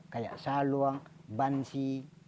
seperti saluang bansi